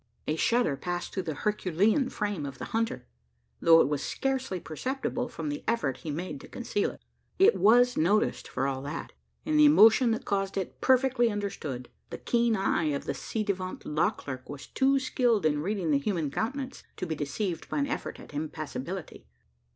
A shudder passed through the herculean frame of the hunter though it was scarcely perceptible, from the effort he made to conceal it. It was noticed for all that; and the emotion that caused it perfectly understood. The keen eye of the ci devant law clerk was too skilled in reading the human countenance, to be deceived by an effort at impassibility.